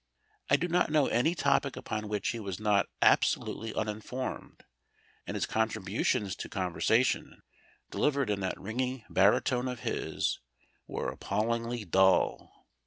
I do not know any topic upon which he was not absolutely uninformed, and his contributions to conversation, delivered in that ringing baritone of his, were appallingly dull.